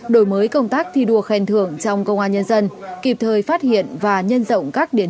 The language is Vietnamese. đổi mới công tác thi đua khen thưởng trong công an nhân dân kịp thời phát hiện và nhân rộng các điển